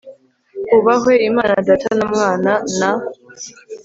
hubahwe imana data na mwana na